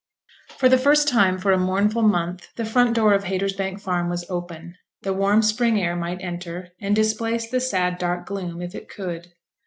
For the first time for a mournful month the front door of Haytersbank Farm was open; the warm spring air might enter, and displace the sad dark gloom, if it could.